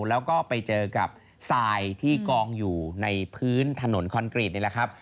แล้วก็ไปเจอกับทรายที่กองอยู่ในพื้นถนนคอนกรีตนี่แหละครับ